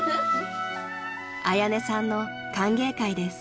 ［彩音さんの歓迎会です］